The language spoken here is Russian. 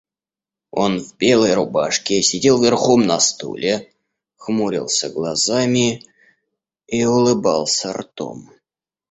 Он в белой рубашке сидел верхом на стуле, хмурился глазами и улыбался ртом.